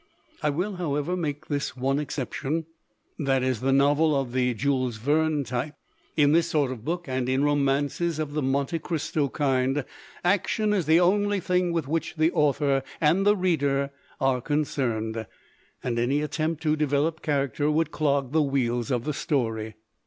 "I will, however, make one exception that is, the novel of the Jules Verne type. In this sort of book, and in romances of the Monte Cristo kind, action is the only thing with which the author and the reader are concerned, and any attempt to develop character would clog the wheels of the story.